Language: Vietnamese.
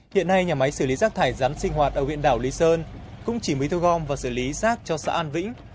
hiện nay nhà máy xử lý rác thải rắn sinh hoạt ở huyện đảo lý sơn cũng chỉ mới thu gom và xử lý rác cho xã an vĩnh